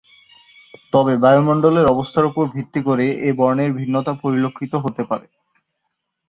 তবে, বায়ুমণ্ডলের অবস্থার উপর ভিত্তি করে এ বর্ণের ভিন্নতা পরিলক্ষিত হতে পারে।